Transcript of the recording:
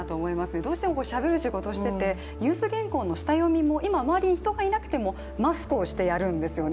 どうしてもしゃべる仕事をしていて今、周りに人がいなくてもマスクをしてやるんですよね。